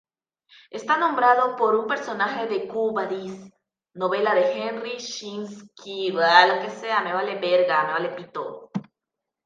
Está nombrado por un personaje de Quo Vadis?, novela de Henryk Sienkiewicz.